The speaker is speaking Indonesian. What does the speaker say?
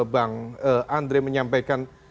bang andre menyampaikan